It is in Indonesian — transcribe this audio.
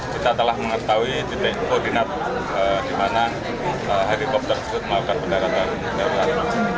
kita telah mengetahui titik koordinat di mana helikopter tersebut melakukan pendaratan darurat